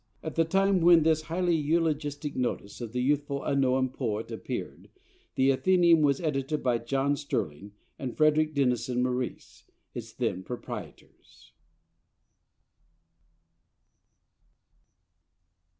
At the time when this highly eulogistic notice of the youthful unknown poet appeared, the Athenæum was edited by John Sterling and Frederick Denison Maurice, its then proprietors.